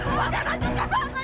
bapak jangan lanjutkan